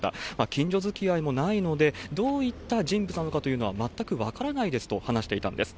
近所づきあいもないので、どういった人物なのかというのは全く分からないですと話していたんです。